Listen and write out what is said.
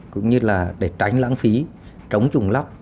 cũng như là để tránh lãng phí trống chủng lóc